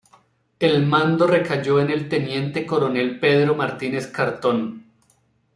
El mando recayó en el teniente coronel Pedro Martínez Cartón.